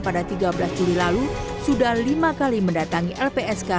pada tiga belas juli lalu sudah lima kali mendatangi lpsk